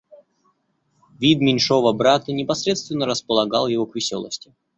Вид меньшого брата непосредственно располагал его к веселости.